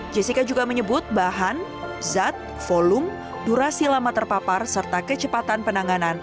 jessica juga menyebut bahan zat volume durasi lama terpapar serta kecepatan penanganan